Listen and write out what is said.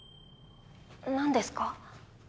何ですか？